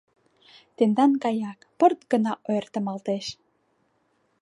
Тендан гаяк, пырт гына ойыртемалтеш.